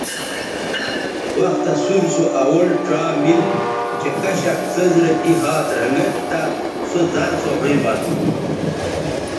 وختہ سور سو اول ڇا مِل چہء کشک څیز رے تی ھات رھنگید تہ سو زر سو ھویں بزونݜ